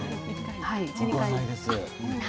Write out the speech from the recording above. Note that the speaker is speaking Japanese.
１、２回。